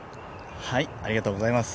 ありがとうございます。